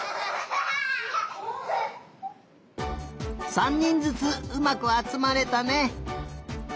３にんずつうまくあつまれたね。